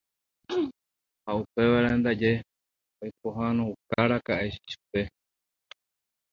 Ha upévare ndaje oipohãnoukáraka'e ichupe.